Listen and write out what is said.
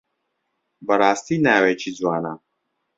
بەڕاستی ناوێکی جوانە.